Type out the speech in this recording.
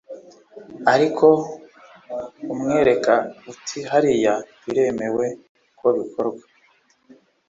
ariko umwereka uti hariya biremewe ko bikorwa